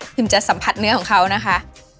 จะสัมผัสเนื้อของเขานะคะ